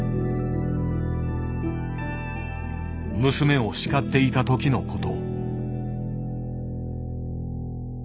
娘を叱っていた時のこと。